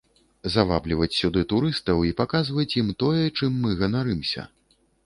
Завабліваць сюды турыстаў і паказваць ім тое, чым мы ганарымся.